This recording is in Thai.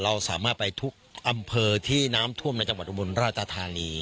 เราสามารถไปทุกอำเภอที่น้ำท่วมในจังหวัดอุบลราชธานี